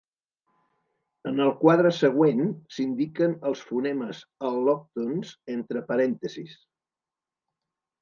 En el quadre següent s'indiquen els fonemes al·lòctons entre parèntesis.